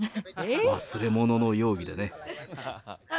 忘れ物の容疑でね。